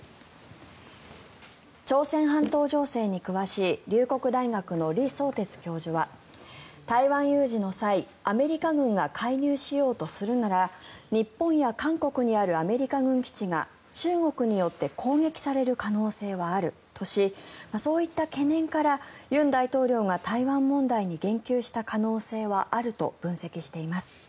朝鮮半島情勢に詳しい龍谷大学の李相哲教授は台湾有事の際、アメリカ軍が介入しようとするなら日本や韓国にあるアメリカ軍基地が中国によって攻撃される可能性はあるとしそういった懸念から尹大統領が台湾問題に言及した可能性はあると分析しています。